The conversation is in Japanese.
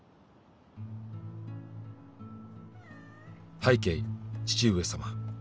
・「拝啓父上様」